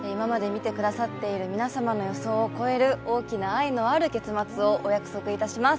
見てくださっている皆様の予想を超える大きな愛のある結末をお約束いたします